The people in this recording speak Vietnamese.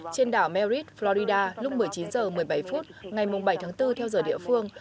trên đảo merrid florida lúc một mươi chín h một mươi bảy phút ngày bảy tháng bốn theo giờ địa phương